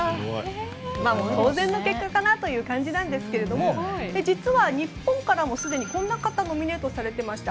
当然の結果かなという感じなのですが実は日本からもすでにこんな方もノミネートされていました。